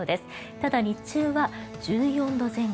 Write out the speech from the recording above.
ただ、日中は１４度前後。